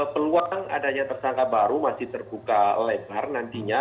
peluang adanya tersangka baru masih terbuka lebar nantinya